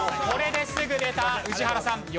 これですぐ出た宇治原さん。